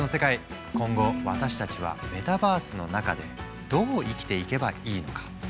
今後私たちはメタバースの中でどう生きていけばいいのか。